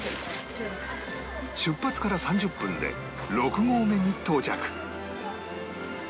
出発から３０分で６合目に到着